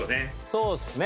そうですね。